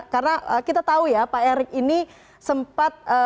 karena kita tahu ya pak erik ini sempat